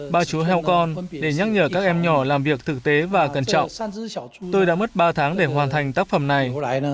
ba chúa heo con để nhắc nhở các em nhỏ làm việc thực tế và cẩn trọng tôi đã mất ba tháng để hoàn thành tác phẩm này